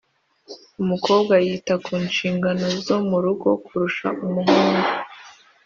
umukobwa yita ku nshingano zo mu rugo kurusha umuhungu.